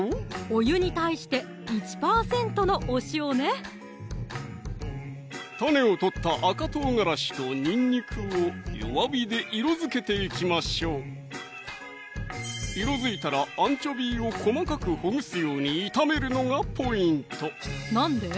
お湯に対して１％のお塩ね種を取った赤唐辛子とにんにくを弱火で色づけていきましょう色づいたらアンチョビーを細かくほぐすように炒めるのがポイントなんで？